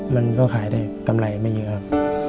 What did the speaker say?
มันก็ขายได้กำไรไม่เยอะครับ